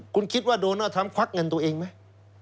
คุณคิดว่าโดนัลดทรัมปวักเงินตัวเองไหม